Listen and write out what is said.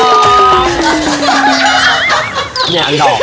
อย่างนี้ออกไปหมดเลย